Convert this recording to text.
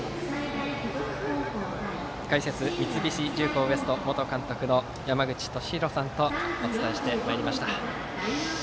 解説、三菱重工Ｗｅｓｔ元監督の山口敏弘さんとお伝えしてまいりました。